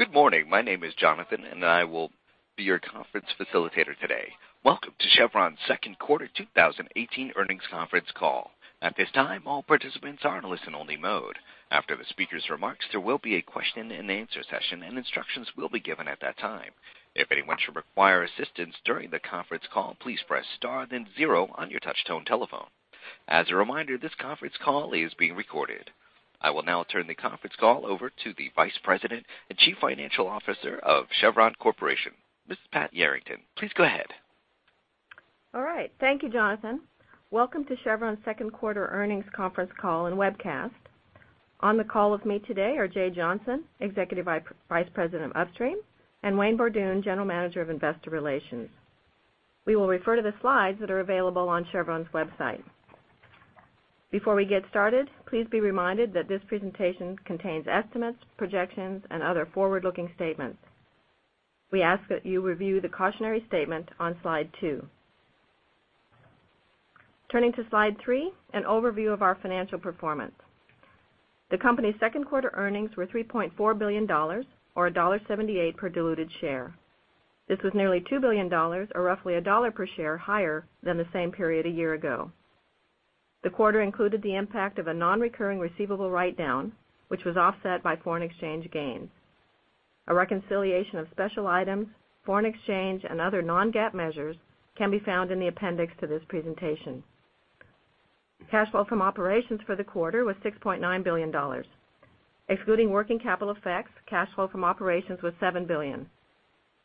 Good morning. My name is Jonathan, and I will be your conference facilitator today. Welcome to Chevron's second quarter 2018 earnings conference call. At this time, all participants are in listen only mode. After the speaker's remarks, there will be a question and answer session, and instructions will be given at that time. If anyone should require assistance during the conference call, please press star then zero on your touch-tone telephone. As a reminder, this conference call is being recorded. I will now turn the conference call over to the Vice President and Chief Financial Officer of Chevron Corporation, Mrs. Pat Yarrington. Please go ahead. All right. Thank you, Jonathan. Welcome to Chevron's second quarter earnings conference call and webcast. On the call with me today are Jay Johnson, Executive Vice President of Upstream, and Wayne Borduin, General Manager of Investor Relations. We will refer to the slides that are available on Chevron's website. Before we get started, please be reminded that this presentation contains estimates, projections, and other forward-looking statements. We ask that you review the cautionary statement on Slide two. Turning to Slide three, an overview of our financial performance. The company's second quarter earnings were $3.4 billion, or $1.78 per diluted share. This was nearly $2 billion, or roughly $1 per share higher than the same period a year ago. The quarter included the impact of a non-recurring receivable write-down, which was offset by foreign exchange gains. A reconciliation of special items, foreign exchange, and other non-GAAP measures can be found in the appendix to this presentation. Cash flow from operations for the quarter was $6.9 billion. Excluding working capital effects, cash flow from operations was $7 billion.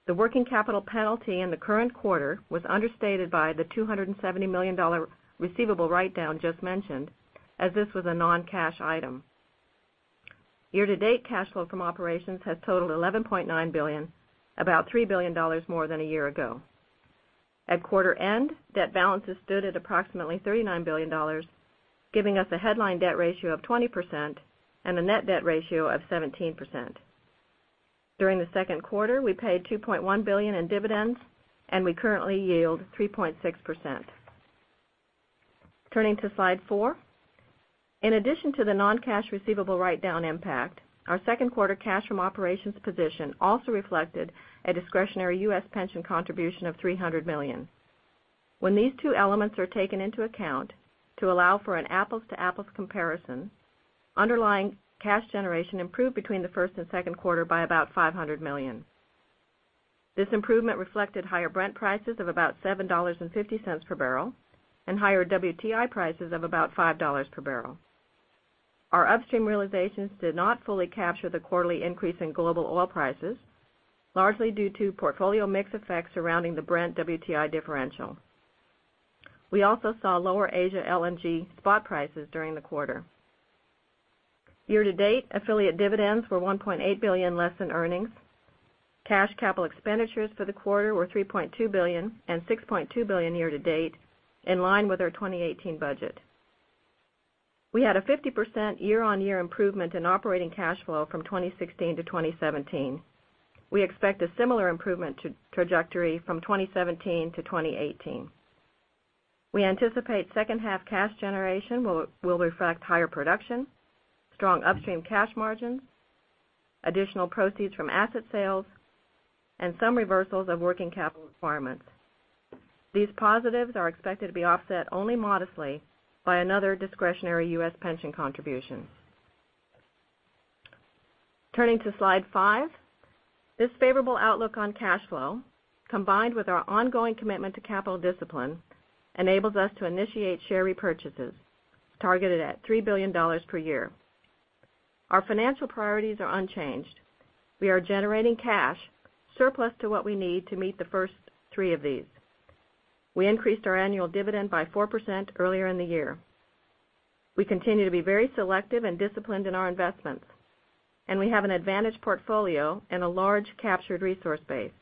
The working capital penalty in the current quarter was understated by the $270 million receivable write-down just mentioned, as this was a non-cash item. Year-to-date cash flow from operations has totaled $11.9 billion, about $3 billion more than a year ago. At quarter end, debt balances stood at approximately $39 billion, giving us a headline debt ratio of 20% and a net debt ratio of 17%. During the second quarter, we paid $2.1 billion in dividends, and we currently yield 3.6%. Turning to Slide four. In addition to the non-cash receivable write-down impact, our second quarter cash from operations position also reflected a discretionary U.S. pension contribution of $300 million. When these two elements are taken into account to allow for an an apples-to-apples comparison, underlying cash generation improved between the first and second quarter by about $500 million. This improvement reflected higher Brent prices of about $7.50 per barrel and higher WTI prices of about $5 per barrel. Our upstream realizations did not fully capture the quarterly increase in global oil prices, largely due to portfolio mix effects surrounding the Brent WTI differential. We also saw lower Asia LNG spot prices during the quarter. Year-to-date affiliate dividends were $1.8 billion less than earnings. Cash capital expenditures for the quarter were $3.2 billion and $6.2 billion year to date, in line with our 2018 budget. We had a 50% year-on-year improvement in operating cash flow from 2016 to 2017. We expect a similar improvement trajectory from 2017 to 2018. We anticipate second half cash generation will reflect higher production, strong upstream cash margins, additional proceeds from asset sales, and some reversals of working capital requirements. These positives are expected to be offset only modestly by another discretionary U.S. pension contribution. Turning to Slide five. This favorable outlook on cash flow, combined with our ongoing commitment to capital discipline, enables us to initiate share repurchases targeted at $3 billion per year. Our financial priorities are unchanged. We are generating cash surplus to what we need to meet the first three of these. We increased our annual dividend by 4% earlier in the year. We continue to be very selective and disciplined in our investments, and we have an advantage portfolio and a large captured resource base.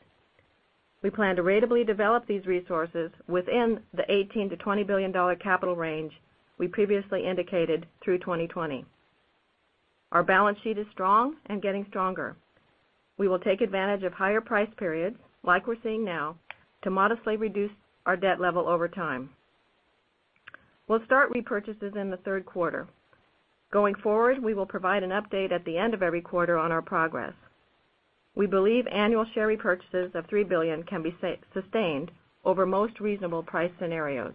We plan to ratably develop these resources within the $18 billion-$20 billion capital range we previously indicated through 2020. Our balance sheet is strong and getting stronger. We will take advantage of higher price periods, like we're seeing now, to modestly reduce our debt level over time. We'll start repurchases in the third quarter. Going forward, we will provide an update at the end of every quarter on our progress. We believe annual share repurchases of $3 billion can be sustained over most reasonable price scenarios.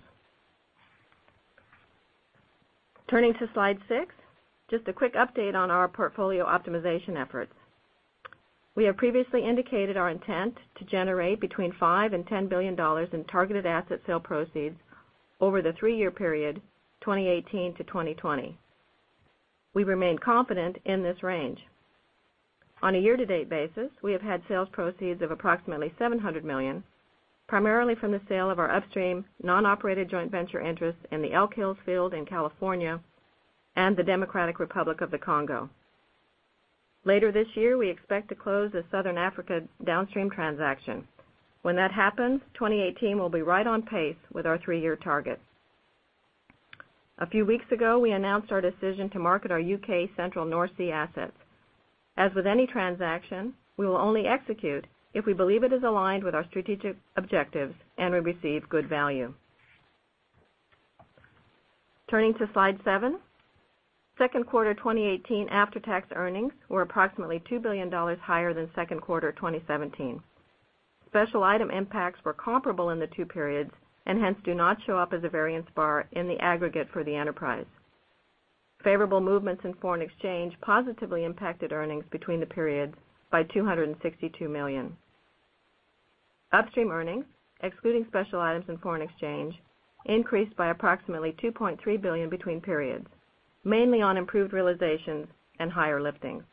Turning to Slide six, just a quick update on our portfolio optimization efforts. We have previously indicated our intent to generate between $5 billion and $10 billion in targeted asset sale proceeds over the three-year period 2018 to 2020. We remain confident in this range. On a year-to-date basis, we have had sales proceeds of approximately $700 million, primarily from the sale of our upstream non-operated joint venture interests in the Elk Hills field in California and the Democratic Republic of the Congo. Later this year, we expect to close the Southern Africa downstream transaction. When that happens, 2018 will be right on pace with our three-year targets. A few weeks ago, we announced our decision to market our U.K. Central North Sea assets. As with any transaction, we will only execute if we believe it is aligned with our strategic objectives and we receive good value. Turning to Slide seven. Second quarter 2018 after-tax earnings were approximately $2 billion higher than second quarter 2017. Special item impacts were comparable in the two periods, and hence do not show up as a variance bar in the aggregate for the enterprise. Favorable movements in foreign exchange positively impacted earnings between the periods by $262 million. Upstream earnings, excluding special items and foreign exchange, increased by approximately $2.3 billion between periods, mainly on improved realizations and higher lifting.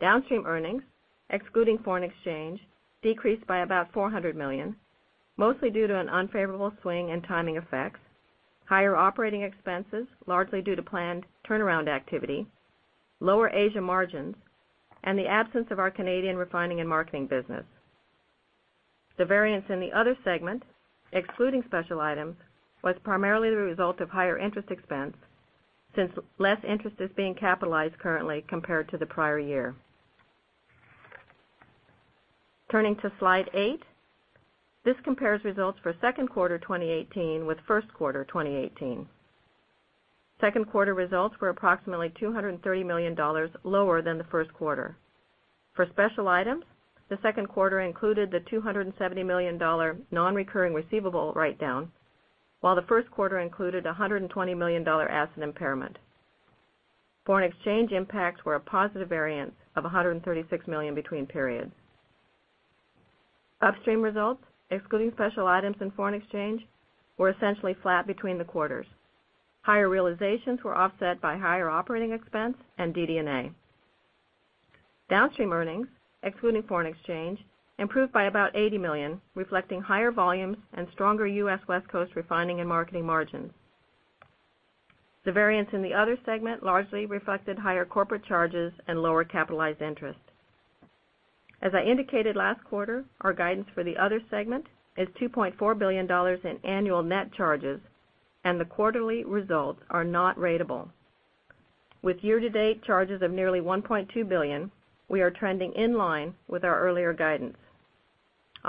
Downstream earnings, excluding foreign exchange, decreased by about $400 million, mostly due to an unfavorable swing in timing effects, higher operating expenses, largely due to planned turnaround activity, lower Asia margins, and the absence of our Canadian refining and marketing business. The variance in the other segment, excluding special items, was primarily the result of higher interest expense, since less interest is being capitalized currently compared to the prior year. Turning to Slide eight. This compares results for second quarter 2018 with first quarter 2018. Second quarter results were approximately $230 million lower than the first quarter. For special items, the second quarter included the $270 million non-recurring receivable write-down, while the first quarter included $120 million asset impairment. Foreign exchange impacts were a positive variance of $136 million between periods. Upstream results, excluding special items and foreign exchange, were essentially flat between the quarters. Higher realizations were offset by higher operating expense and DD&A. Downstream earnings, excluding foreign exchange, improved by about $80 million, reflecting higher volumes and stronger U.S. West Coast refining and marketing margins. The variance in the other segment largely reflected higher corporate charges and lower capitalized interest. As I indicated last quarter, our guidance for the other segment is $2.4 billion in annual net charges, and the quarterly results are not ratable. With year-to-date charges of nearly $1.2 billion, we are trending in line with our earlier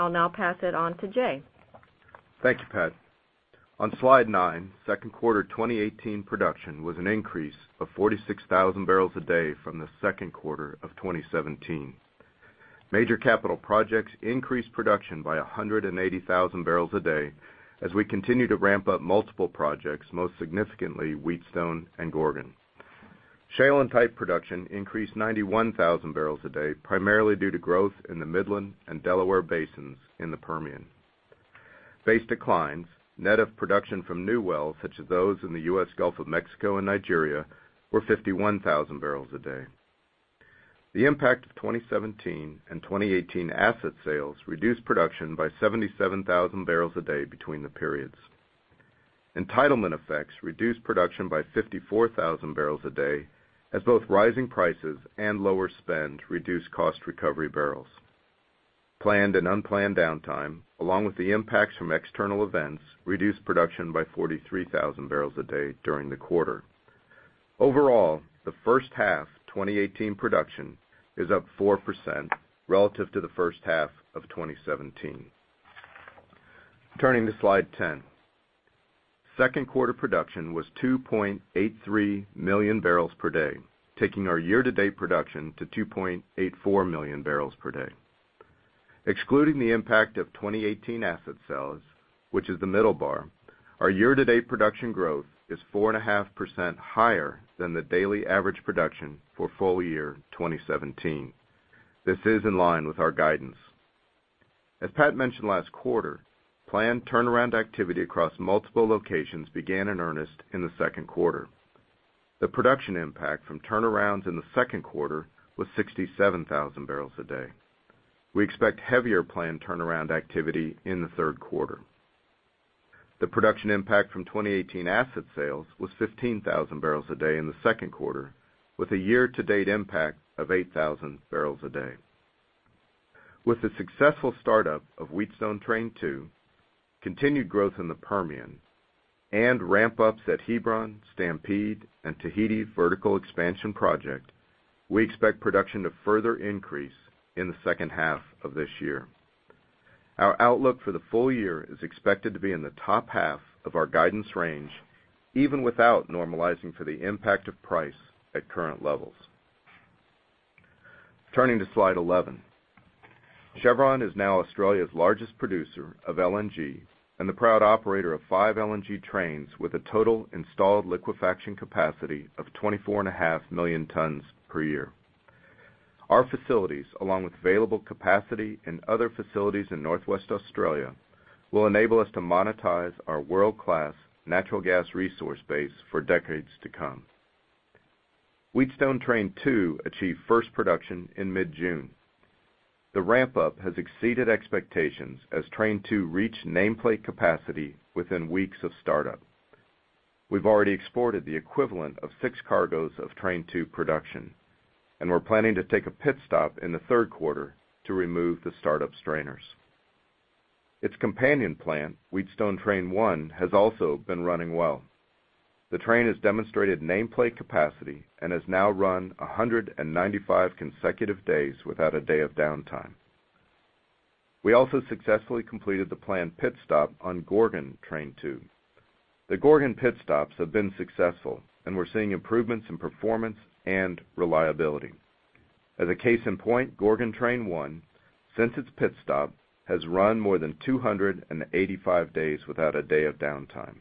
guidance. I'll now pass it on to Jay. Thank you, Pat. On slide nine, second quarter 2018 production was an increase of 46,000 barrels a day from the second quarter of 2017. Major capital projects increased production by 180,000 barrels a day as we continue to ramp up multiple projects, most significantly Wheatstone and Gorgon. Shale and tight production increased 91,000 barrels a day, primarily due to growth in the Midland and Delaware basins in the Permian. Base declines, net of production from new wells such as those in the U.S. Gulf of Mexico and Nigeria, were 51,000 barrels a day. The impact of 2017 and 2018 asset sales reduced production by 77,000 barrels a day between the periods. Entitlement effects reduced production by 54,000 barrels a day as both rising prices and lower spend reduced cost recovery barrels. Planned and unplanned downtime, along with the impacts from external events, reduced production by 43,000 barrels a day during the quarter. Overall, the first half 2018 production is up 4% relative to the first half of 2017. Turning to slide 10. Second quarter production was 2.83 million barrels per day, taking our year-to-date production to 2.84 million barrels per day. Excluding the impact of 2018 asset sales, which is the middle bar, our year-to-date production growth is 4.5% higher than the daily average production for full year 2017. This is in line with our guidance. As Pat mentioned last quarter, planned turnaround activity across multiple locations began in earnest in the second quarter. The production impact from turnarounds in the second quarter was 67,000 barrels a day. We expect heavier planned turnaround activity in the third quarter. The production impact from 2018 asset sales was 15,000 barrels a day in the second quarter, with a year-to-date impact of 8,000 barrels a day. With the successful startup of Wheatstone Train Two, continued growth in the Permian, and ramp-ups at Hebron, Stampede, and Tahiti vertical expansion project, we expect production to further increase in the second half of this year. Our outlook for the full year is expected to be in the top half of our guidance range, even without normalizing for the impact of price at current levels. Turning to slide 11. Chevron is now Australia's largest producer of LNG and the proud operator of five LNG trains with a total installed liquefaction capacity of 24.5 million tons per year. Our facilities, along with available capacity in other facilities in Northwest Australia, will enable us to monetize our world-class natural gas resource base for decades to come. Wheatstone Train Two achieved first production in mid-June. The ramp-up has exceeded expectations as Train Two reached nameplate capacity within weeks of startup. We've already exported the equivalent of 6 cargoes of Train Two production, and we're planning to take a pit stop in the third quarter to remove the startup strainers. Its companion plant, Wheatstone Train One, has also been running well. The train has demonstrated nameplate capacity and has now run 195 consecutive days without a day of downtime. We also successfully completed the planned pit stop on Gorgon Train 2. The Gorgon pit stops have been successful, and we're seeing improvements in performance and reliability. As a case in point, Gorgon Train 1, since its pit stop, has run more than 285 days without a day of downtime.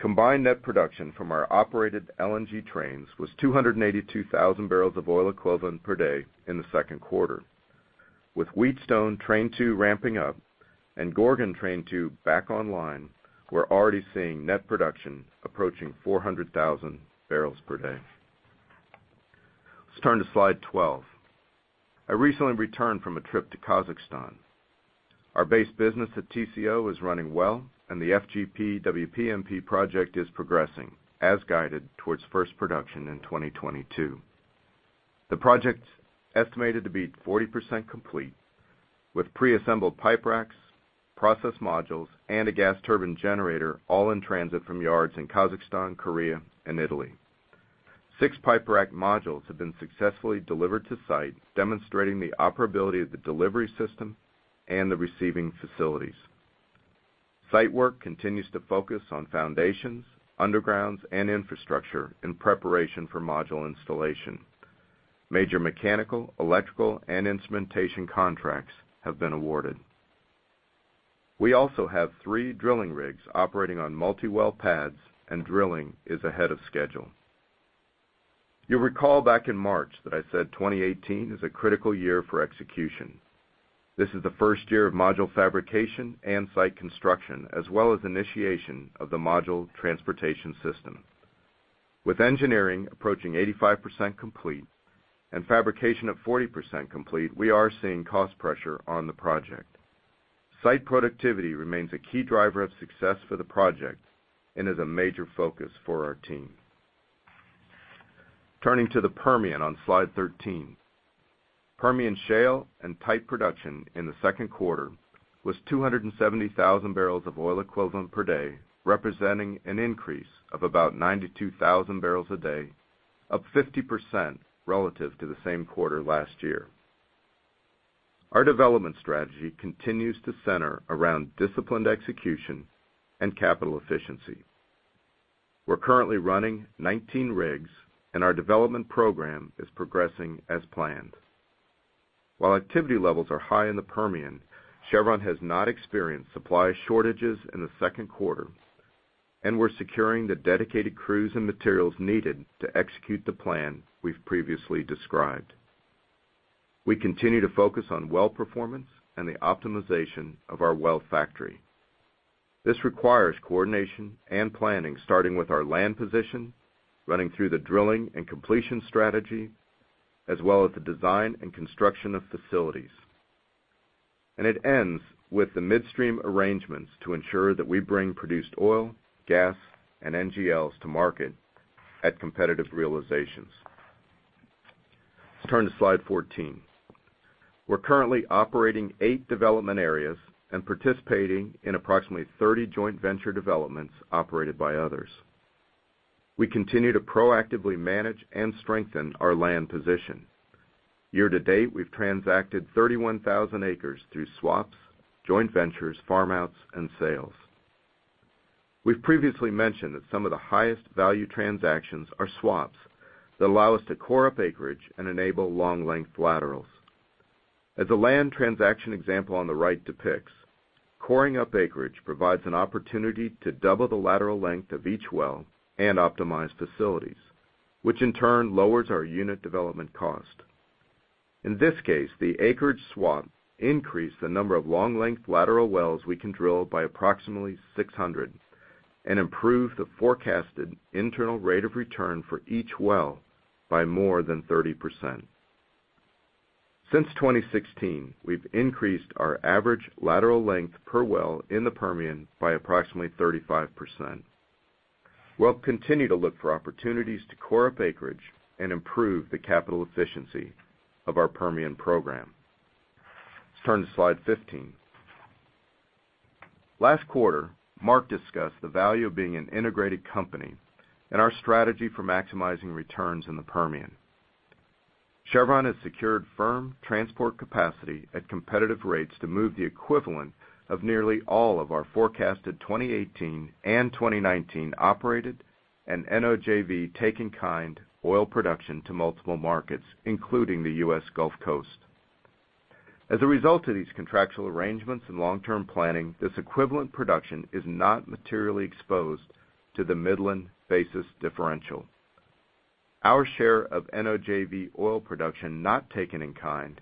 Combined net production from our operated LNG trains was 282,000 barrels of oil equivalent per day in the second quarter. With Wheatstone Train Two ramping up and Gorgon Train 2 back online, we're already seeing net production approaching 400,000 barrels per day. Let's turn to slide 12. I recently returned from a trip to Kazakhstan. Our base business at TCO is running well, and the FGP-WPMP project is progressing, as guided, towards first production in 2022. The project's estimated to be 40% complete, with pre-assembled pipe racks, process modules, and a gas turbine generator all in transit from yards in Kazakhstan, Korea, and Italy. six pipe rack modules have been successfully delivered to site, demonstrating the operability of the delivery system and the receiving facilities. Site work continues to focus on foundations, undergrounds, and infrastructure in preparation for module installation. Major mechanical, electrical, and instrumentation contracts have been awarded. We also have three drilling rigs operating on multi-well pads, and drilling is ahead of schedule. You'll recall back in March that I said 2018 is a critical year for execution. This is the first year of module fabrication and site construction, as well as initiation of the module transportation system. With engineering approaching 85% complete and fabrication at 40% complete, we are seeing cost pressure on the project. Site productivity remains a key driver of success for the project and is a major focus for our team. Turning to the Permian on slide 13. Permian shale and tight production in the second quarter was 270,000 barrels of oil equivalent per day, representing an increase of about 92,000 barrels a day, up 50% relative to the same quarter last year. Our development strategy continues to center around disciplined execution and capital efficiency. We're currently running 19 rigs, and our development program is progressing as planned. While activity levels are high in the Permian, Chevron has not experienced supply shortages in the second quarter, and we're securing the dedicated crews and materials needed to execute the plan we've previously described. We continue to focus on well performance and the optimization of our well factory. This requires coordination and planning starting with our land position, running through the drilling and completion strategy, as well as the design and construction of facilities. It ends with the midstream arrangements to ensure that we bring produced oil, gas, and NGLs to market at competitive realizations. Let's turn to slide 14. We're currently operating eight development areas and participating in approximately 30 joint venture developments operated by others. We continue to proactively manage and strengthen our land position. Year-to-date, we've transacted 31,000 acres through swaps, joint ventures, farm-outs, and sales. We've previously mentioned that some of the highest value transactions are swaps that allow us to core up acreage and enable long length laterals. As the land transaction example on the right depicts, coring up acreage provides an opportunity to double the lateral length of each well and optimize facilities, which in turn lowers our unit development cost. In this case, the acreage swap increased the number of long-length lateral wells we can drill by approximately 600 and improve the forecasted internal rate of return for each well by more than 30%. Since 2016, we've increased our average lateral length per well in the Permian by approximately 35%. We'll continue to look for opportunities to core up acreage and improve the capital efficiency of our Permian program. Let's turn to slide 15. Last quarter, Mark discussed the value of being an integrated company and our strategy for maximizing returns in the Permian. Chevron has secured firm transport capacity at competitive rates to move the equivalent of nearly all of our forecasted 2018 and 2019 operated and NOJV taken kind oil production to multiple markets, including the U.S. Gulf Coast. As a result of these contractual arrangements and long-term planning, this equivalent production is not materially exposed to the Midland basis differential. Our share of NOJV oil production not taken in kind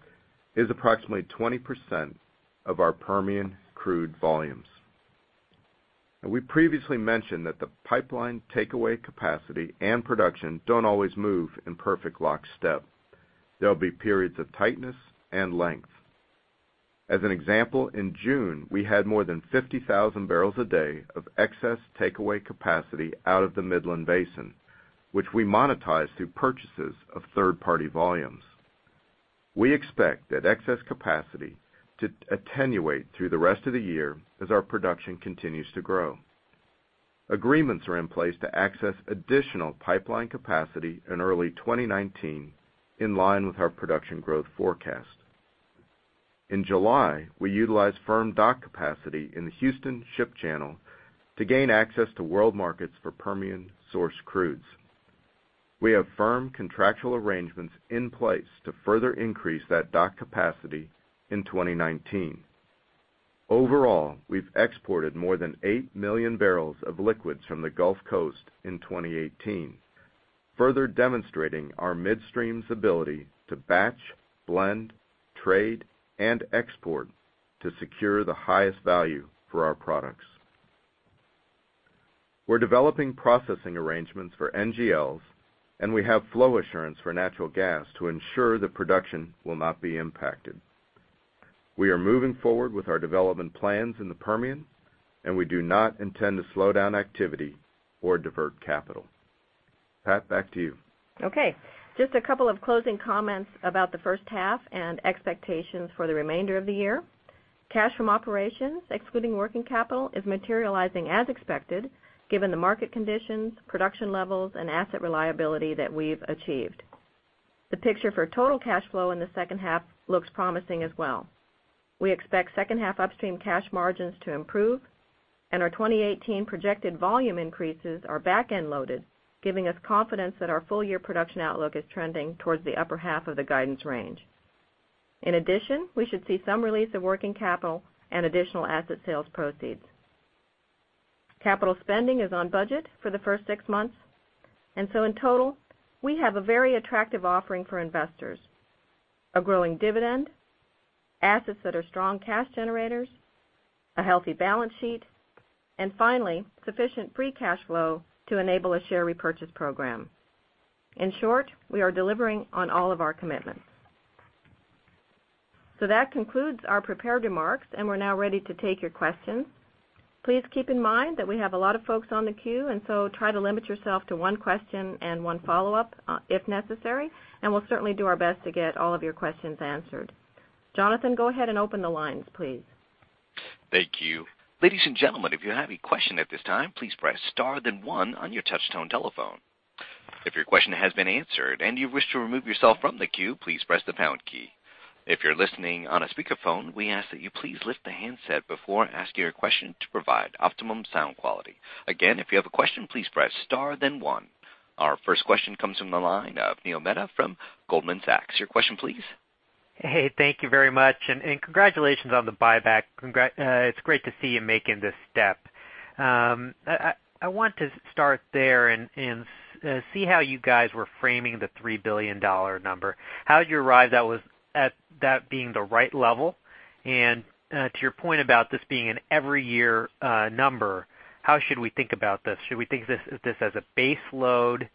is approximately 20% of our Permian crude volumes. We previously mentioned that the pipeline takeaway capacity and production don't always move in perfect lockstep. There'll be periods of tightness and length. In June, we had more than 50,000 barrels a day of excess takeaway capacity out of the Midland Basin, which we monetized through purchases of third-party volumes. We expect that excess capacity to attenuate through the rest of the year as our production continues to grow. Agreements are in place to access additional pipeline capacity in early 2019, in line with our production growth forecast. In July, we utilized firm dock capacity in the Houston Ship Channel to gain access to world markets for Permian-sourced crudes. We have firm contractual arrangements in place to further increase that dock capacity in 2019. Overall, we've exported more than 8 million barrels of liquids from the Gulf Coast in 2018, further demonstrating our midstream's ability to batch, blend, trade, and export to secure the highest value for our products. We're developing processing arrangements for NGLs, we have flow assurance for natural gas to ensure that production will not be impacted. We are moving forward with our development plans in the Permian, we do not intend to slow down activity or divert capital. Pat, back to you. Just a couple of closing comments about the first half and expectations for the remainder of the year. Cash from operations, excluding working capital, is materializing as expected, given the market conditions, production levels, and asset reliability that we've achieved. The picture for total cash flow in the second half looks promising as well. We expect second half upstream cash margins to improve, and our 2018 projected volume increases are back-end loaded, giving us confidence that our full-year production outlook is trending towards the upper half of the guidance range. In addition, we should see some release of working capital and additional asset sales proceeds. Capital spending is on budget for the first six months. In total, we have a very attractive offering for investors. A growing dividend, assets that are strong cash generators, a healthy balance sheet, and finally, sufficient free cash flow to enable a share repurchase program. In short, we are delivering on all of our commitments. That concludes our prepared remarks, and we're now ready to take your questions. Please keep in mind that we have a lot of folks on the queue, and so try to limit yourself to one question and one follow-up, if necessary, and we'll certainly do our best to get all of your questions answered. Jonathan, go ahead and open the lines, please. Thank you. Ladies and gentlemen, if you have a question at this time, please press star then one on your touchtone telephone. If your question has been answered and you wish to remove yourself from the queue, please press the pound key. If you're listening on a speakerphone, we ask that you please lift the handset before asking your question to provide optimum sound quality. Again, if you have a question, please press star then one. Our first question comes from the line of Neil Mehta from Goldman Sachs. Your question, please. Thank you very much and congratulations on the buyback. It's great to see you making this step. I want to start there and see how you guys were framing the $3 billion number. How did you arrive at that being the right level? To your point about this being an every year number, how should we think about this? Should we think this as a base load,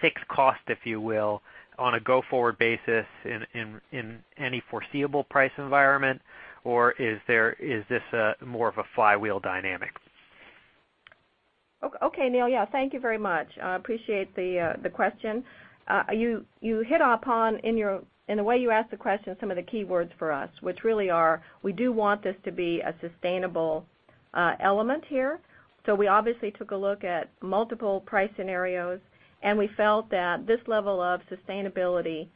fixed cost, if you will, on a go-forward basis in any foreseeable price environment? Or is this more of a flywheel dynamic? Okay, Neil. Thank you very much. Appreciate the question. You hit upon, in the way you asked the question, some of the keywords for us, which really are, we do want this to be a sustainable element here. We obviously took a look at multiple price scenarios, and we felt that this level of sustainability,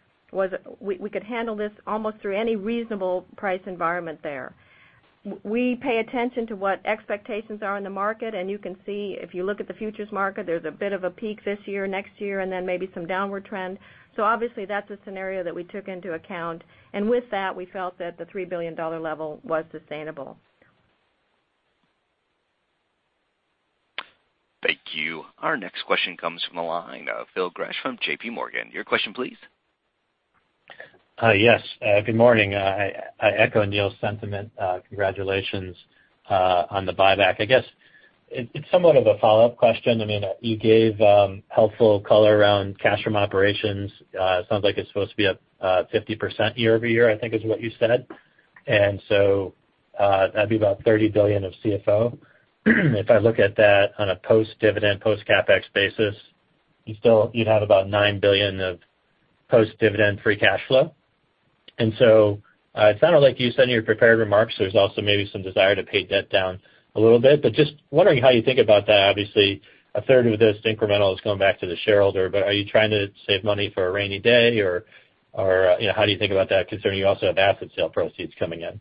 we could handle this almost through any reasonable price environment there. We pay attention to what expectations are in the market, and you can see, if you look at the futures market, there's a bit of a peak this year, next year, and then maybe some downward trend. Obviously, that's a scenario that we took into account. With that, we felt that the $3 billion level was sustainable. Thank you. Our next question comes from the line of Phil Gresh from JP Morgan. Your question, please. Yes. Good morning. I echo Neil's sentiment. Congratulations on the buyback. I guess it's somewhat of a follow-up question. You gave helpful color around cash from operations. Sounds like it's supposed to be up 50% year-over-year, I think is what you said. That'd be about $30 billion of CFO. If I look at that on a post-dividend, post-CapEx basis, you'd have about $9 billion of post-dividend free cash flow. It sounded like you said in your prepared remarks, there's also maybe some desire to pay debt down a little bit. Just wondering how you think about that. Obviously, a third of this incremental is going back to the shareholder, but are you trying to save money for a rainy day? Or how do you think about that considering you also have asset sale proceeds coming in?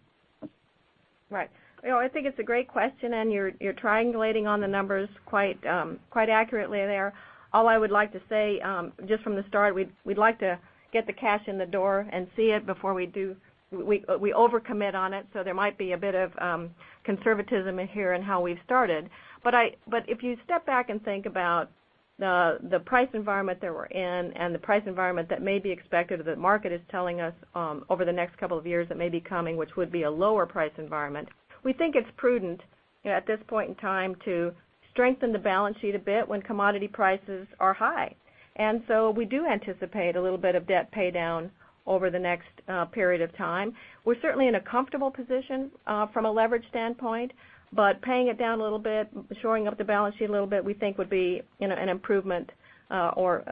Right. I think it's a great question, and you're triangulating on the numbers quite accurately there. All I would like to say, just from the start, we'd like to get the cash in the door and see it before we over-commit on it. There might be a bit of conservatism in here in how we've started. If you step back and think about the price environment that we're in and the price environment that may be expected, that market is telling us over the next couple of years that may be coming, which would be a lower price environment. We think it's prudent at this point in time to strengthen the balance sheet a bit when commodity prices are high. We do anticipate a little bit of debt paydown over the next period of time. We're certainly in a comfortable position from a leverage standpoint, paying it down a little bit, shoring up the balance sheet a little bit, we think would be an improvement, or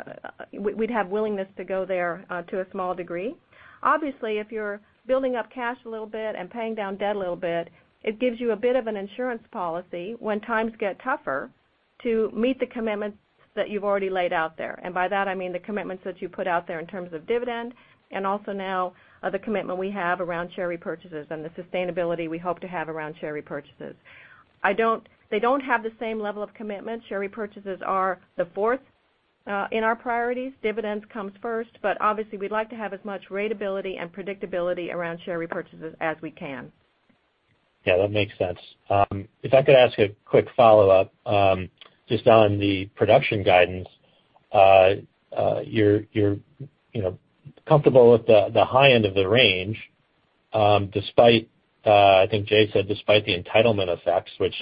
we'd have willingness to go there to a small degree. Obviously, if you're building up cash a little bit and paying down debt a little bit, it gives you a bit of an insurance policy when times get tougher. To meet the commitments that you've already laid out there, and by that I mean the commitments that you put out there in terms of dividend, and also now the commitment we have around share repurchases and the sustainability we hope to have around share repurchases. They don't have the same level of commitment. Share repurchases are the fourth in our priorities. Dividends comes first, obviously we'd like to have as much ratability and predictability around share repurchases as we can. Yeah, that makes sense. If I could ask a quick follow-up, just on the production guidance. You're comfortable with the high end of the range, I think Jay said despite the entitlement effects, which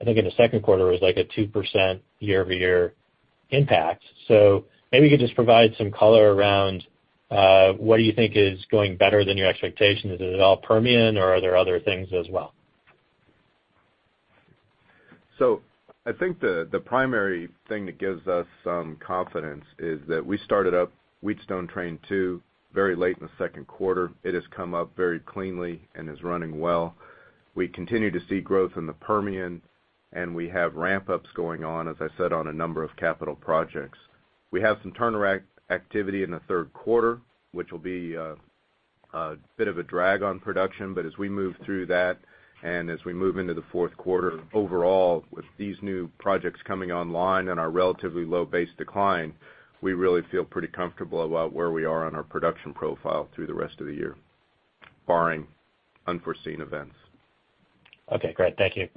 I think in the second quarter was like a 2% year-over-year impact. Maybe you could just provide some color around what you think is going better than your expectations. Is it all Permian or are there other things as well? I think the primary thing that gives us some confidence is that we started up Wheatstone Train 2 very late in the second quarter. It has come up very cleanly and is running well. We continue to see growth in the Permian, and we have ramp-ups going on, as I said, on a number of capital projects. We have some turnaround activity in the third quarter, which will be a bit of a drag on production. As we move through that, and as we move into the fourth quarter overall, with these new projects coming online and our relatively low base decline, we really feel pretty comfortable about where we are on our production profile through the rest of the year, barring unforeseen events. Okay, great. Thank you.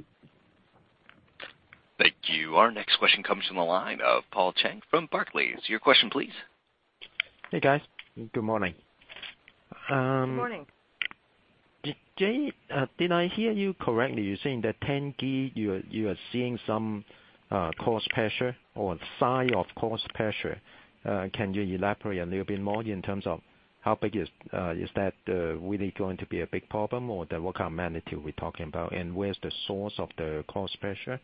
Thank you. Our next question comes from the line of Paul Cheng from Barclays. Your question please. Hey, guys. Good morning. Good morning. Jay, did I hear you correctly? You're saying that Tengiz you are seeing some cost pressure or sign of cost pressure. Can you elaborate a little bit more in terms of how big is that really going to be a big problem or what kind of magnitude we're talking about? Where's the source of the cost pressure?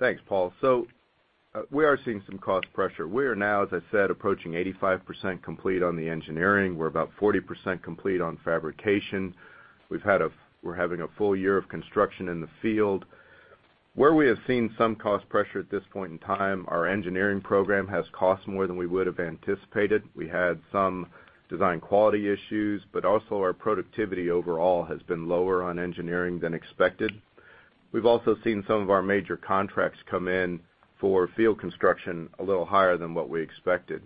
Thanks, Paul. We are seeing some cost pressure. We are now, as I said, approaching 85% complete on the engineering. We're about 40% complete on fabrication. We're having a full year of construction in the field. Where we have seen some cost pressure at this point in time, our engineering program has cost more than we would have anticipated. We had some design quality issues, also our productivity overall has been lower on engineering than expected. We've also seen some of our major contracts come in for field construction a little higher than what we expected.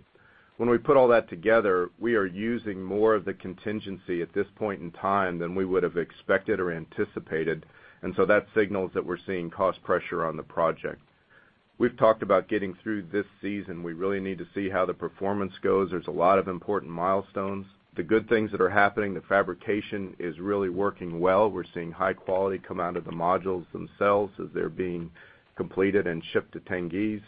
When we put all that together, we are using more of the contingency at this point in time than we would have expected or anticipated, that signals that we're seeing cost pressure on the project. We've talked about getting through this season. We really need to see how the performance goes. There's a lot of important milestones. The good things that are happening, the fabrication is really working well. We're seeing high quality come out of the modules themselves as they're being completed and shipped to Tengiz.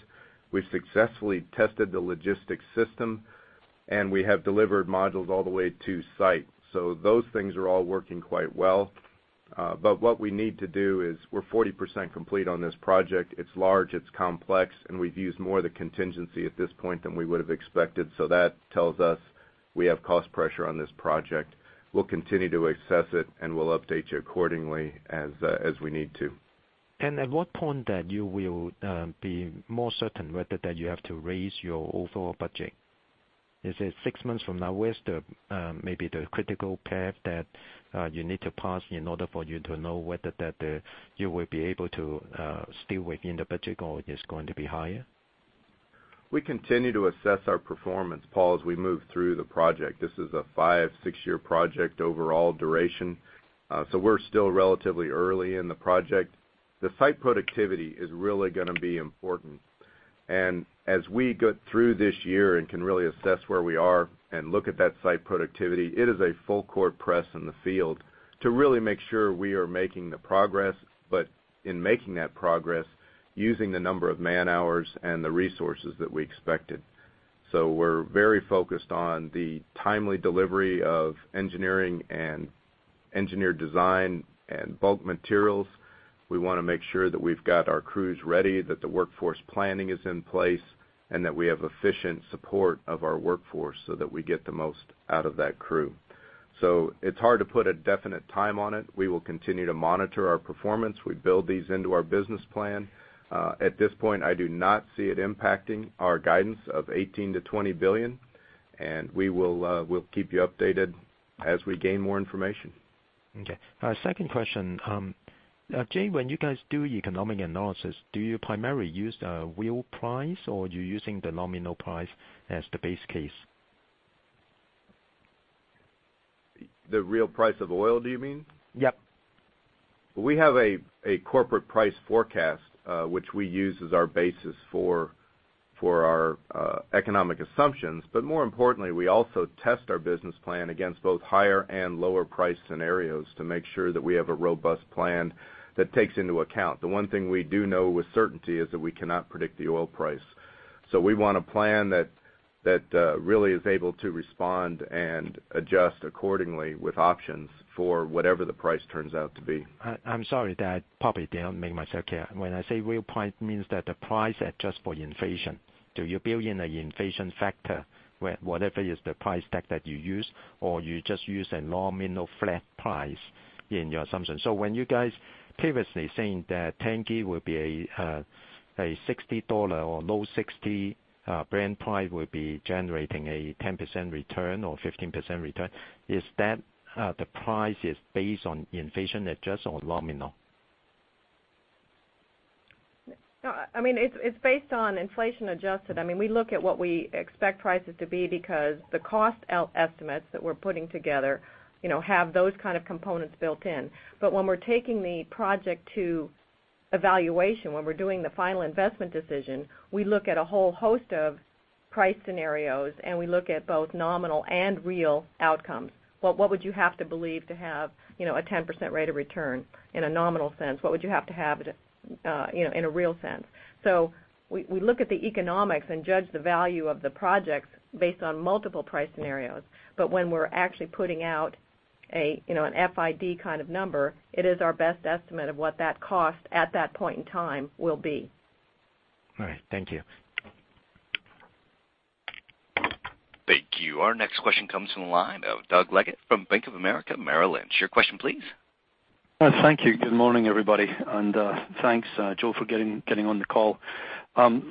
We've successfully tested the logistics system, we have delivered modules all the way to site. Those things are all working quite well. What we need to do is we're 40% complete on this project. It's large, it's complex, we've used more of the contingency at this point than we would have expected. That tells us we have cost pressure on this project. We'll continue to assess it, we'll update you accordingly as we need to. At what point that you will be more certain whether that you have to raise your overall budget? Is it six months from now? Where's maybe the critical path that you need to pass in order for you to know whether that you will be able to stay within the budget or it is going to be higher? We continue to assess our performance, Paul, as we move through the project. This is a five, six-year project overall duration. We're still relatively early in the project. The site productivity is really going to be important. As we get through this year and can really assess where we are and look at that site productivity, it is a full-court press in the field to really make sure we are making the progress, but in making that progress, using the number of man-hours and the resources that we expected. We're very focused on the timely delivery of engineering and engineered design and bulk materials. We want to make sure that we've got our crews ready, that the workforce planning is in place, and that we have efficient support of our workforce so that we get the most out of that crew. It's hard to put a definite time on it. We will continue to monitor our performance. We build these into our business plan. At this point, I do not see it impacting our guidance of $18 billion-$20 billion, and we'll keep you updated as we gain more information. Okay. Second question. Jay, when you guys do economic analysis, do you primarily use the real price or you're using the nominal price as the base case? The real price of oil, do you mean? Yep. We have a corporate price forecast, which we use as our basis for our economic assumptions. More importantly, we also test our business plan against both higher and lower price scenarios to make sure that we have a robust plan that takes into account. The one thing we do know with certainty is that we cannot predict the oil price. We want a plan that really is able to respond and adjust accordingly with options for whatever the price turns out to be. I'm sorry that probably I didn't make myself clear. When I say real price, it means that the price adjust for inflation. Do you build in an inflation factor, whatever is the price tag that you use, or you just use a nominal flat price in your assumption? When you guys previously saying that Tengiz will be a $60 or low $60 Brent price will be generating a 10% return or 15% return, is that the price is based on inflation adjust or nominal? No, it's based on inflation adjusted. We look at what we expect prices to be because the cost estimates that we're putting together have those kind of components built in. When we're taking the project to evaluation, when we're doing the final investment decision, we look at a whole host of price scenarios, and we look at both nominal and real outcomes. What would you have to believe to have a 10% rate of return in a nominal sense? What would you have to have in a real sense? We look at the economics and judge the value of the projects based on multiple price scenarios. When we're actually putting out an FID kind of number, it is our best estimate of what that cost at that point in time will be. All right. Thank you. Thank you. Our next question comes from the line of Doug Leggate from Bank of America Merrill Lynch. Your question, please. Thank you. Good morning, everybody, and thanks, Jay, for getting on the call. I've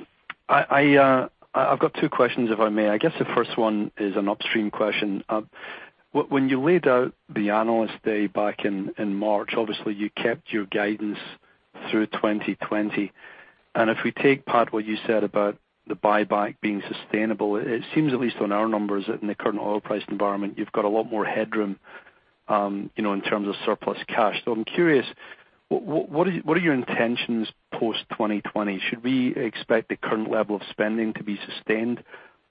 got two questions, if I may. I guess the first one is an upstream question. When you laid out the Analyst Day back in March, obviously you kept your guidance through 2020. If we take, Pat, what you said about the buyback being sustainable, it seems at least on our numbers in the current oil price environment, you've got a lot more headroom in terms of surplus cash. I'm curious, what are your intentions post 2020? Should we expect the current level of spending to be sustained,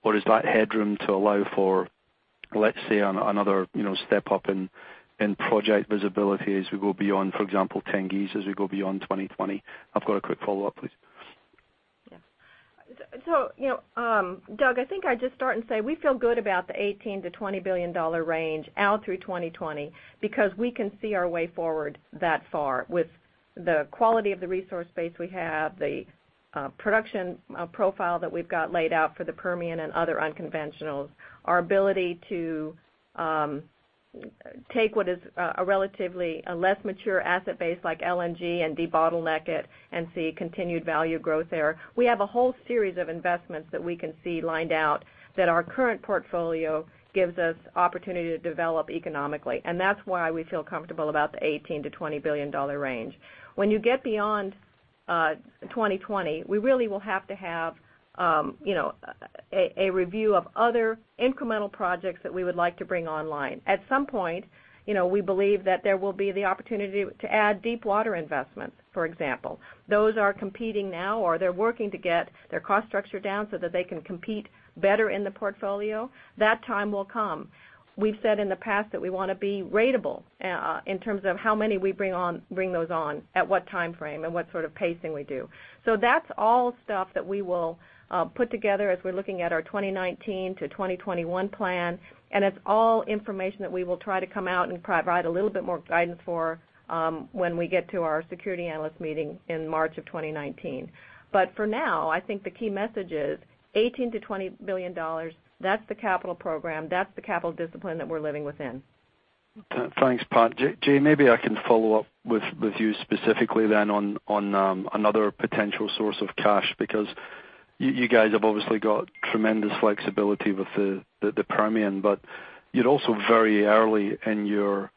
or is that headroom to allow for, let's say, another step up in project visibility as we go beyond, for example, Tengiz, as we go beyond 2020? I've got a quick follow-up, please. Doug, I think I'd just start and say we feel good about the $18 billion-$20 billion range out through 2020 because we can see our way forward that far with the quality of the resource base we have, the production profile that we've got laid out for the Permian and other unconventionals, our ability to take what is a relatively less mature asset base like LNG and debottleneck it and see continued value growth there. We have a whole series of investments that we can see lined out that our current portfolio gives us opportunity to develop economically. That's why we feel comfortable about the $18 billion-$20 billion range. When you get beyond 2020, we really will have to have a review of other incremental projects that we would like to bring online. At some point, we believe that there will be the opportunity to add deep water investments, for example. Those are competing now, or they're working to get their cost structure down so that they can compete better in the portfolio. That time will come. We've said in the past that we want to be ratable in terms of how many we bring those on, at what time frame, and what sort of pacing we do. That's all stuff that we will put together as we're looking at our 2019-2021 plan. It's all information that we will try to come out and provide a little bit more guidance for when we get to our security analyst meeting in March of 2019. For now, I think the key message is $18 billion-$20 billion. That's the capital program. That's the capital discipline that we're living within. Thanks, Pat. Jay, maybe I can follow up with you specifically then on another potential source of cash, because you guys have obviously got tremendous flexibility with the Permian, but you're also very early in your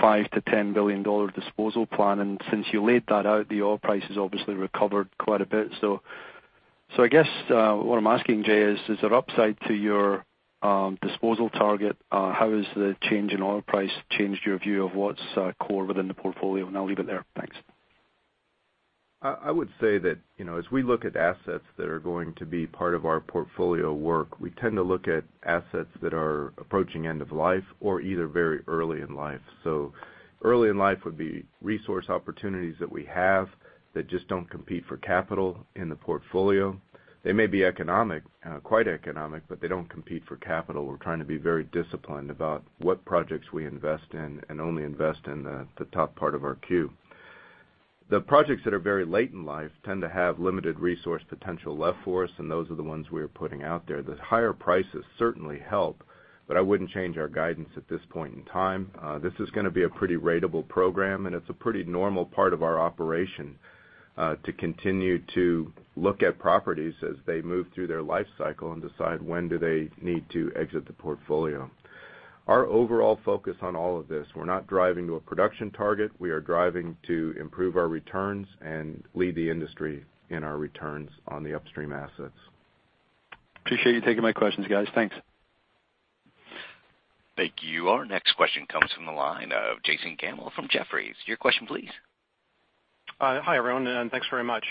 $5 billion-$10 billion disposal plan, and since you laid that out, the oil price has obviously recovered quite a bit. I guess what I'm asking, Jay, is is there upside to your disposal target? How has the change in oil price changed your view of what's core within the portfolio? I'll leave it there. Thanks. I would say that as we look at assets that are going to be part of our portfolio work, we tend to look at assets that are approaching end of life or either very early in life. Early in life would be resource opportunities that we have that just don't compete for capital in the portfolio. They may be economic, quite economic, but they don't compete for capital. We're trying to be very disciplined about what projects we invest in and only invest in the top part of our queue. The projects that are very late in life tend to have limited resource potential left for us, and those are the ones we are putting out there. The higher prices certainly help, but I wouldn't change our guidance at this point in time. This is going to be a pretty ratable program, and it's a pretty normal part of our operation to continue to look at properties as they move through their life cycle and decide when do they need to exit the portfolio. Our overall focus on all of this, we're not driving to a production target. We are driving to improve our returns and lead the industry in our returns on the upstream assets. Appreciate you taking my questions, guys. Thanks. Thank you. Our next question comes from the line of Jason Gabelman from Cowen. Your question, please. Hi, everyone. Thanks very much.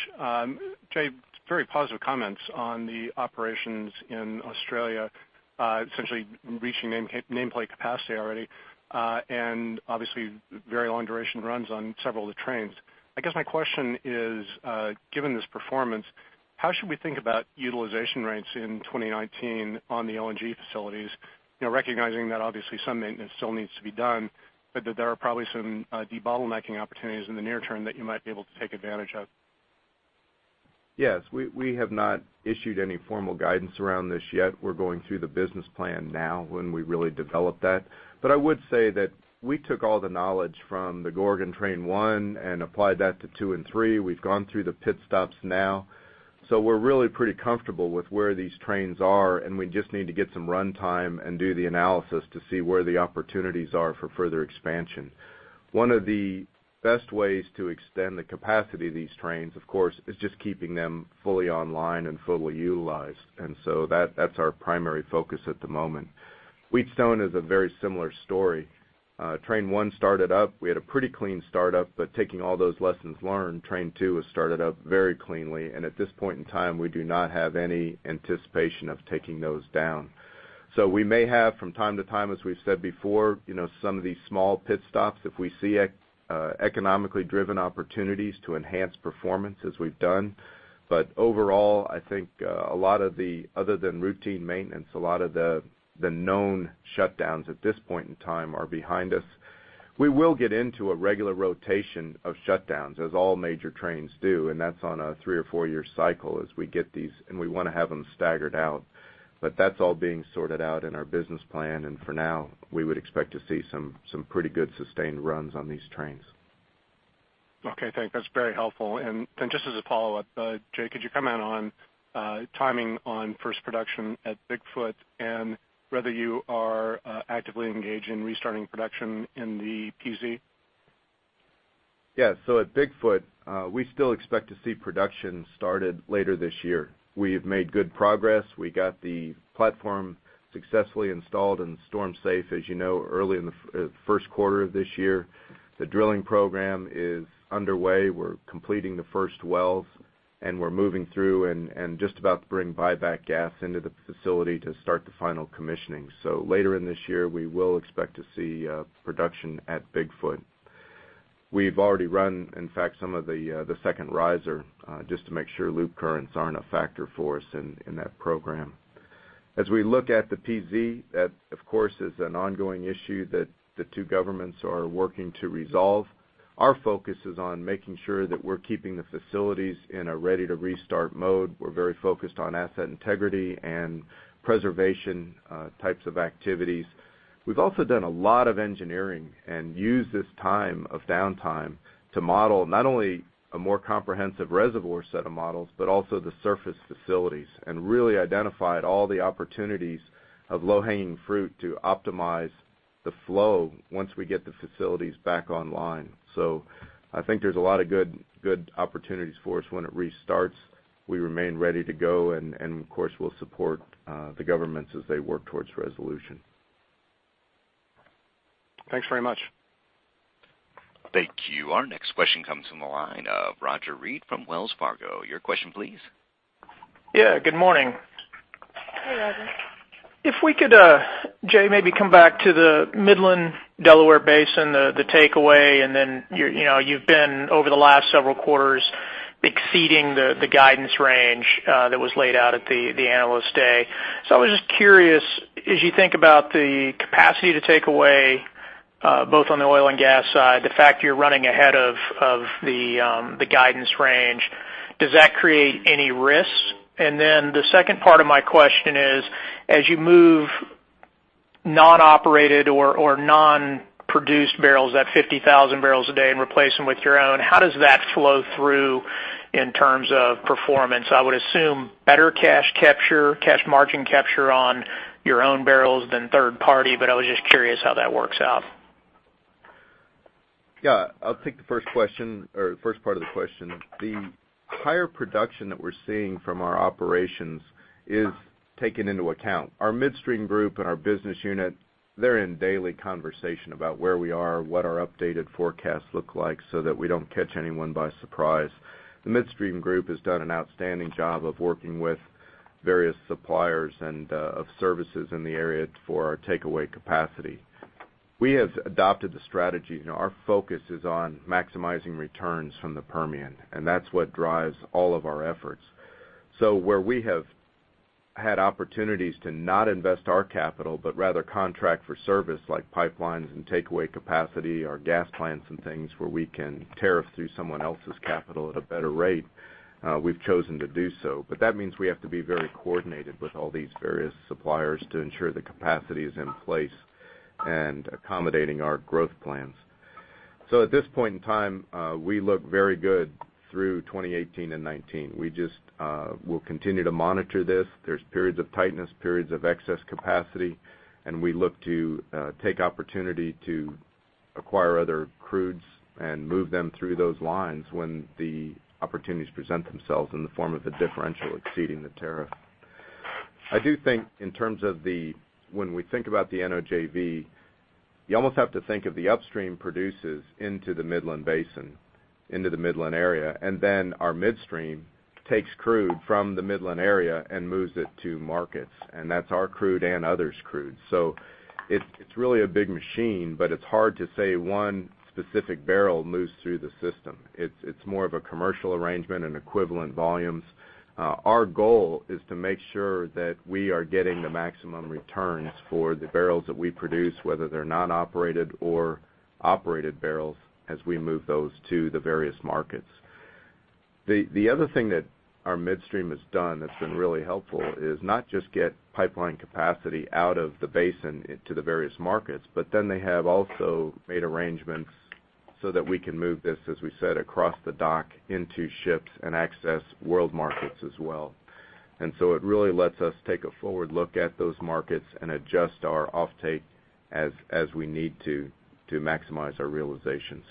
Jay, very positive comments on the operations in Australia, essentially reaching nameplate capacity already, and obviously very long duration runs on several of the trains. I guess my question is given this performance, how should we think about utilization rates in 2019 on the LNG facilities? Recognizing that obviously some maintenance still needs to be done, but that there are probably some debottlenecking opportunities in the near term that you might be able to take advantage of. Yes. We have not issued any formal guidance around this yet. We're going through the business plan now when we really develop that. I would say that we took all the knowledge from the Gorgon Train 1 and applied that to two and three. We've gone through the pit stops now. We're really pretty comfortable with where these trains are, and we just need to get some run time and do the analysis to see where the opportunities are for further expansion. One of the best ways to extend the capacity of these trains, of course, is just keeping them fully online and fully utilized. That's our primary focus at the moment. Wheatstone is a very similar story. Train 1 started up. We had a pretty clean startup, taking all those lessons learned, Train 2 was started up very cleanly, at this point in time, we do not have any anticipation of taking those down. We may have from time to time, as we've said before, some of these small pit stops if we see economically driven opportunities to enhance performance as we've done. Overall, I think, other than routine maintenance, a lot of the known shutdowns at this point in time are behind us. We will get into a regular rotation of shutdowns, as all major trains do, that's on a three or four-year cycle as we get these, we want to have them staggered out. That's all being sorted out in our business plan, for now, we would expect to see some pretty good sustained runs on these trains. Okay, thanks. That's very helpful. Just as a follow-up, Jay, could you comment on timing on first production at Bigfoot and whether you are actively engaged in restarting production in the PZ? Yeah. At Bigfoot, we still expect to see production started later this year. We have made good progress. We got the platform successfully installed and storm safe, as you know, early in the first quarter of this year. The drilling program is underway. We're completing the first wells, and we're moving through and just about to bring buyback gas into the facility to start the final commissioning. Later in this year, we will expect to see production at Bigfoot. We've already run, in fact, some of the second riser just to make sure loop currents aren't a factor for us in that program. As we look at the PZ, that of course, is an ongoing issue that the two governments are working to resolve. Our focus is on making sure that we're keeping the facilities in a ready-to-restart mode. We're very focused on asset integrity and preservation types of activities. We've also done a lot of engineering and used this time of downtime to model not only a more comprehensive reservoir set of models, but also the surface facilities and really identified all the opportunities of low-hanging fruit to optimize the flow once we get the facilities back online. I think there's a lot of good opportunities for us when it restarts. We remain ready to go, and of course, we'll support the governments as they work towards resolution. Thanks very much. Thank you. Our next question comes from the line of Roger Read from Wells Fargo. Your question, please. Yeah, good morning. Hey, Roger. If we could, Jay, maybe come back to the Midland Delaware Basin, the takeaway, and then you've been, over the last several quarters, exceeding the guidance range that was laid out at the Analyst Day. I was just curious, as you think about the capacity to take away both on the oil and gas side, the fact you're running ahead of the guidance range, does that create any risks? The second part of my question is, as you move non-operated or non-produced barrels, that 50,000 barrels a day and replace them with your own, how does that flow through in terms of performance? I would assume better cash margin capture on your own barrels than third party, but I was just curious how that works out. Yeah. I'll take the first part of the question. The higher production that we're seeing from our operations is taken into account. Our midstream group and our business unit, they're in daily conversation about where we are, what our updated forecasts look like so that we don't catch anyone by surprise. The midstream group has done an outstanding job of working with various suppliers and of services in the area for our takeaway capacity. We have adopted the strategy. Our focus is on maximizing returns from the Permian, and that's what drives all of our efforts. Where we have had opportunities to not invest our capital, but rather contract for service like pipelines and takeaway capacity or gas plants and things where we can tariff through someone else's capital at a better rate, we've chosen to do so. That means we have to be very coordinated with all these various suppliers to ensure the capacity is in place and accommodating our growth plans. At this point in time, we look very good through 2018 and 2019. We just will continue to monitor this. There's periods of tightness, periods of excess capacity, and we look to take opportunity to acquire other crudes and move them through those lines when the opportunities present themselves in the form of a differential exceeding the tariff. I do think when we think about the NOJV, you almost have to think of the upstream produces into the Midland Basin, into the Midland area, and then our midstream takes crude from the Midland area and moves it to markets, and that's our crude and others' crude. It's really a big machine, but it's hard to say one specific barrel moves through the system. It's more of a commercial arrangement and equivalent volumes. Our goal is to make sure that we are getting the maximum returns for the barrels that we produce, whether they're non-operated or operated barrels, as we move those to the various markets. The other thing that our midstream has done that's been really helpful is not just get pipeline capacity out of the basin into the various markets, they have also made arrangements so that we can move this, as we said, across the dock into ships and access world markets as well. It really lets us take a forward look at those markets and adjust our offtake as we need to maximize our realizations.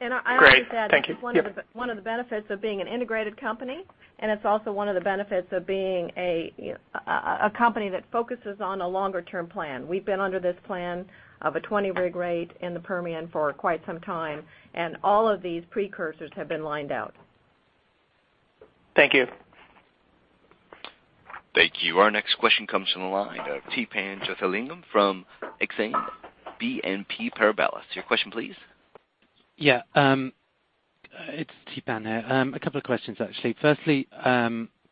I add to that. Great. Thank you. It's one of the benefits of being an integrated company, and it's also one of the benefits of being a company that focuses on a longer-term plan. We've been under this plan of a 20-rig rate in the Permian for quite some time, and all of these precursors have been lined out. Thank you. Thank you. Our next question comes from the line of Theepan Jothilingam from Exane BNP Paribas. Your question, please. Yeah. It's Theepan here. A couple of questions, actually. Firstly,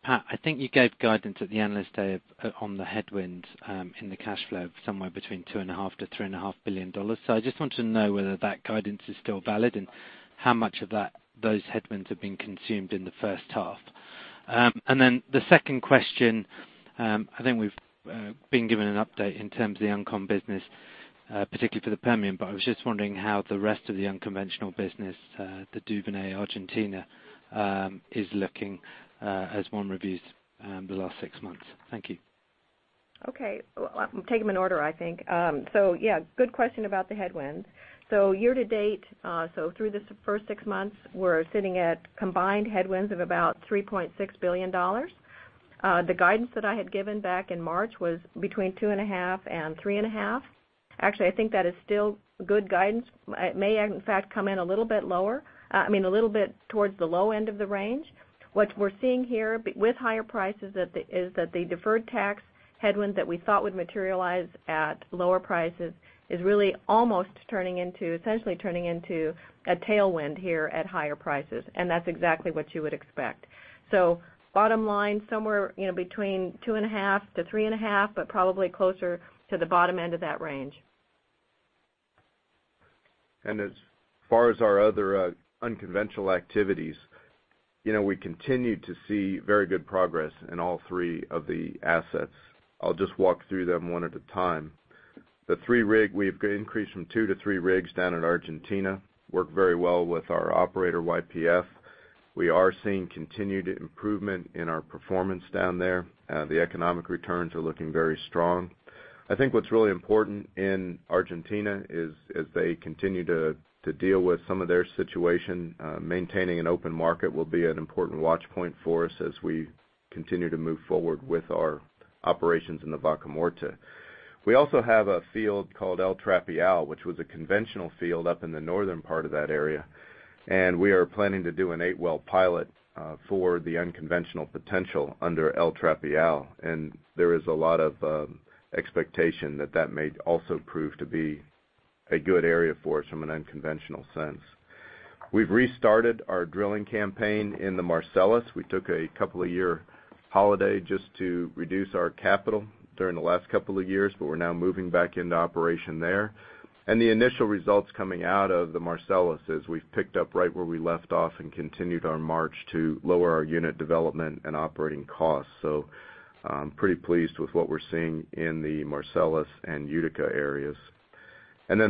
Pat, I think you gave guidance at the Analyst Day on the headwind in the cash flow somewhere between $2.5 billion-$3.5 billion. I just want to know whether that guidance is still valid and how much of those headwinds have been consumed in the first half. The second question, I think we've been given an update in terms of the uncon business, particularly for the Permian, but I was just wondering how the rest of the unconventional business, the Duvernay and Argentina, is looking as one reviews the last six months. Thank you. Okay. I'll take them in order, I think. Yeah, good question about the headwinds. Year to date, through the first six months, we're sitting at combined headwinds of about $3.6 billion. The guidance that I had given back in March was between two and a half and three and a half. Actually, I think that is still good guidance. It may, in fact, come in a little bit lower. I mean, a little bit towards the low end of the range. What we're seeing here with higher prices is that the deferred tax headwinds that we thought would materialize at lower prices is really almost essentially turning into a tailwind here at higher prices, and that's exactly what you would expect. Bottom line, somewhere between two and a half to three and a half, but probably closer to the bottom end of that range. As far as our other unconventional activities, we continue to see very good progress in all three of the assets. I'll just walk through them one at a time. The three rig, we've increased from two to three rigs down in Argentina. Work very well with our operator, YPF. We are seeing continued improvement in our performance down there. The economic returns are looking very strong. I think what's really important in Argentina is as they continue to deal with some of their situation, maintaining an open market will be an important watch point for us as we continue to move forward with our operations in the Vaca Muerta. We also have a field called El Trapial, which was a conventional field up in the northern part of that area, and we are planning to do an eight-well pilot for the unconventional potential under El Trapial. There is a lot of expectation that that may also prove to be a good area for us from an unconventional sense. We've restarted our drilling campaign in the Marcellus. We took a couple of year holiday just to reduce our capital during the last couple of years, we're now moving back into operation there. The initial results coming out of the Marcellus is we've picked up right where we left off and continued our march to lower our unit development and operating costs. I'm pretty pleased with what we're seeing in the Marcellus and Utica areas.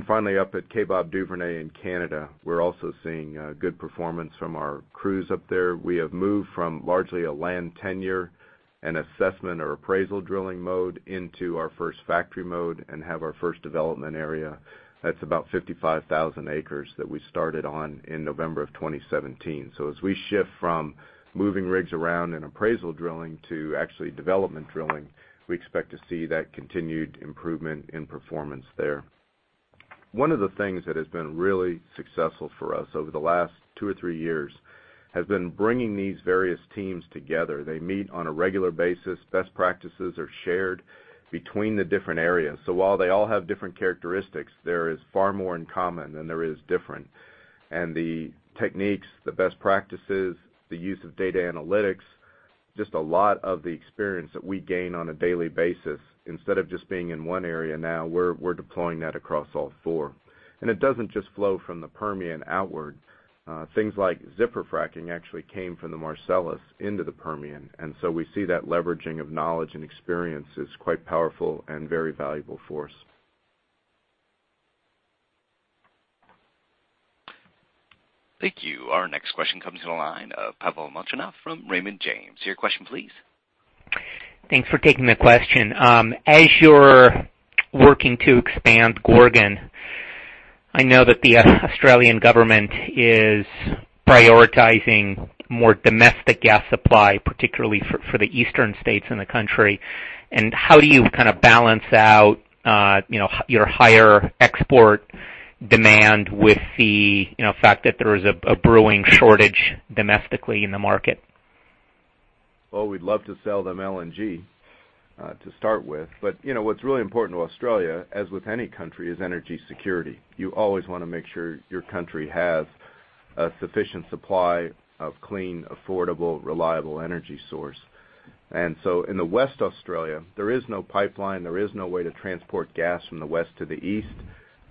Finally up at Kaybob Duvernay in Canada, we're also seeing good performance from our crews up there. We have moved from largely a land tenure and assessment or appraisal drilling mode into our first factory mode and have our first development area. That's about 55,000 acres that we started on in November of 2017. As we shift from moving rigs around and appraisal drilling to actually development drilling, we expect to see that continued improvement in performance there. One of the things that has been really successful for us over the last two or three years has been bringing these various teams together. They meet on a regular basis. Best practices are shared between the different areas. While they all have different characteristics, there is far more in common than there is different. The techniques, the best practices, the use of data analytics, just a lot of the experience that we gain on a daily basis, instead of just being in one area now, we're deploying that across all four. It doesn't just flow from the Permian outward. Things like zipper fracking actually came from the Marcellus into the Permian, we see that leveraging of knowledge and experience is quite powerful and very valuable for us. Thank you. Our next question comes in the line of Pavel Molchanov from Raymond James. Your question, please. Thanks for taking the question. As you're working to expand Gorgon, I know that the Australian government is prioritizing more domestic gas supply, particularly for the eastern states in the country. How do you kind of balance out your higher export demand with the fact that there is a brewing shortage domestically in the market? Well, we'd love to sell them LNG to start with, what's really important to Australia, as with any country, is energy security. You always want to make sure your country has a sufficient supply of clean, affordable, reliable energy source. In the West Australia, there is no pipeline, there is no way to transport gas from the west to the east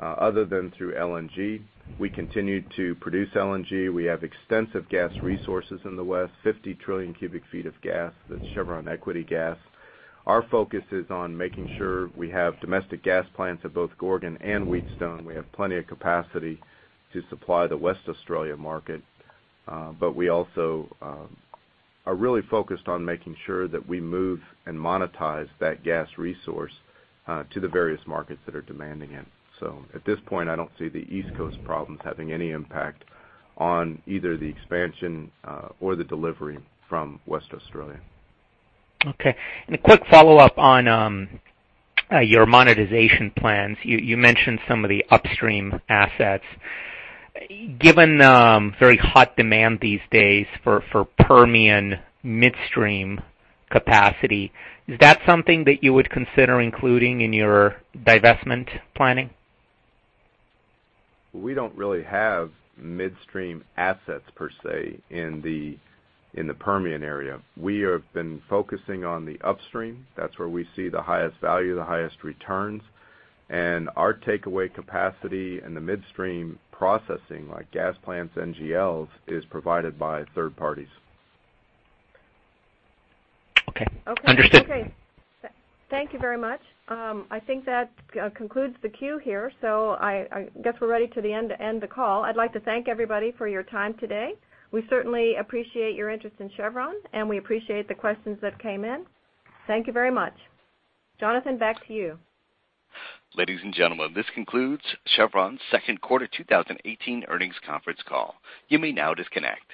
other than through LNG. We continue to produce LNG. We have extensive gas resources in the west, 50 trillion cubic feet of gas. That's Chevron equity gas. Our focus is on making sure we have domestic gas plants at both Gorgon and Wheatstone. We have plenty of capacity to supply the West Australia market. We also are really focused on making sure that we move and monetize that gas resource to the various markets that are demanding it. At this point, I don't see the East Coast problems having any impact on either the expansion or the delivery from West Australia. Okay. A quick follow-up on your monetization plans. You mentioned some of the upstream assets. Given very hot demand these days for Permian midstream capacity, is that something that you would consider including in your divestment planning? We don't really have midstream assets per se in the Permian area. We have been focusing on the upstream. That's where we see the highest value, the highest returns, and our takeaway capacity in the midstream processing, like gas plants, NGLs, is provided by third parties. Okay. Understood. Okay. Thank you very much. I think that concludes the queue here, so I guess we're ready to end the call. I'd like to thank everybody for your time today. We certainly appreciate your interest in Chevron, and we appreciate the questions that came in. Thank you very much. Jonathan, back to you. Ladies and gentlemen, this concludes Chevron's second quarter 2018 earnings conference call. You may now disconnect.